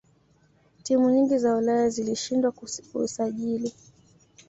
timu nyingi za ulaya zilishindwa kusajili